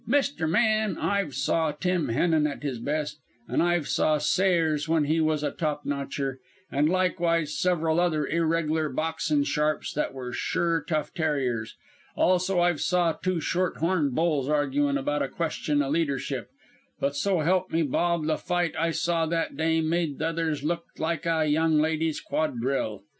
"Mister Man, I've saw Tim Henan at his best, an' I've saw Sayres when he was a top notcher, an' likewise several other irregler boxin' sharps that were sure tough tarriers. Also I've saw two short horn bulls arguin' about a question o' leadership, but so help me Bob the fight I saw that day made the others look like a young ladies' quadrille.